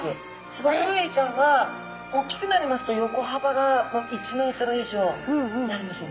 ツバクロエイちゃんは大きくなりますと横はばが１メートル以上になるんですよね。